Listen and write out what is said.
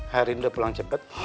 hari ini udah pulang cepat